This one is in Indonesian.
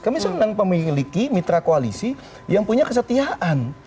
kami senang memiliki mitra koalisi yang punya kesetiaan